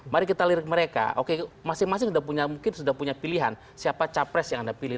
mari kita lirik mereka oke masing masing sudah punya mungkin sudah punya pilihan siapa capres yang anda pilih